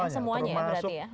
semuanya ya berarti ya